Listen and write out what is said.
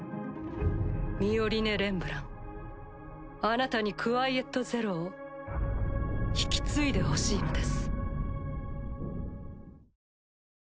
ミオリネ・レンブランあなたにクワイエット・ゼロを引き継いでほしいのです。